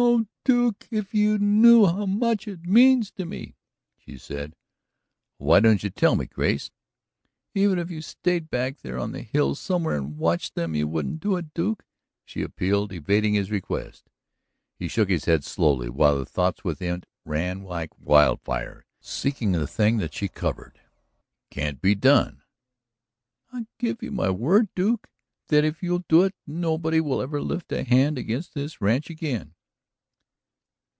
"Oh, Duke! If you knew how much it means to me," she said. "Why don't you tell me, Grace?" "Even if you stayed back there on the hills somewhere and watched them you wouldn't do it, Duke?" she appealed, evading his request. He shook his head slowly, while the thoughts within it ran like wildfire, seeking the thing that she covered. "It can't be done." "I give you my word, Duke, that if you'll do it nobody will ever lift a hand against this ranch again."